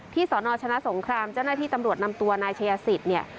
สนชนะสงครามเจ้าหน้าที่ตำรวจนำตัวนายชายสิทธิ์เนี่ย